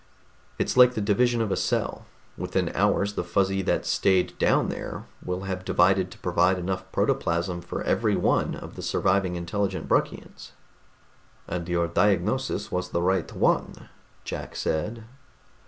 It's like the division of a cell; within hours the Fuzzy that stayed down there will have divided to provide enough protoplasm for every one of the surviving intelligent Bruckians." "And your diagnosis was the right one," Jack said.